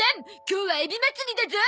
今日はエビまつりだゾ！